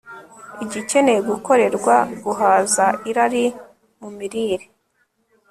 igikeneye gukorerwa guhaza irari mu mirire